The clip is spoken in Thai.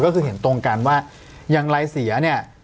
ก็คือเห็นตรงกันว่าอย่างไรเสียเนี่ย